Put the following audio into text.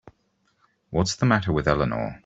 What's the matter with Eleanor?